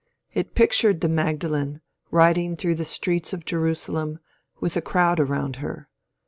It pictured the Magdalene, riding through the streets of Jerusalem, with a crowd around her.